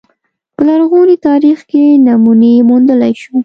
په لرغوني تاریخ کې نمونې موندلای شو